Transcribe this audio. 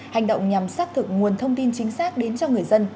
hành động nhằm xác thực nguồn thông tin chính xác đến cho người dân